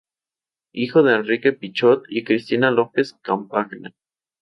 Hijo de Enrique Pichot y Cristina López Campagna.